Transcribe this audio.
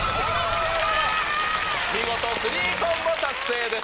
見事３コンボ達成です